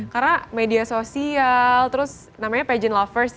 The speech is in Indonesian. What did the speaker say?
karena media sosial terus namanya pageant lovers ya